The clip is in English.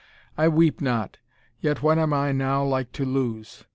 I weep not, yet what am I now like to lose?